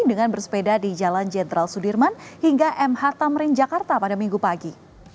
dengan bersepeda di jalan jenderal sudirman hingga mh tamrin jakarta pada minggu pagi